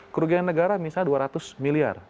kerugian negara misalnya dua ratus miliar